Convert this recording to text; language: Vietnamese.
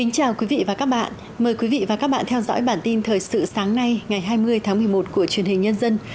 chào mừng quý vị đến với bản tin thời sự sáng nay ngày hai mươi tháng một mươi một của truyền hình nhân dân